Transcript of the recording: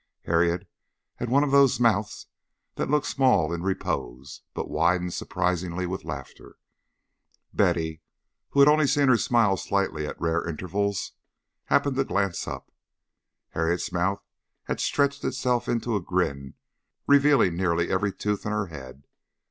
Harriet had one of those mouths that look small in repose, but widen surprisingly with laughter. Betty, who had only seen her smile slightly at rare intervals, happened to glance up. Harriet's mouth had stretched itself into a grin revealing nearly every tooth in her head.